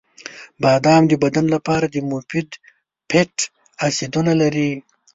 • بادام د بدن لپاره د مفید فیټ اسیدونه لري.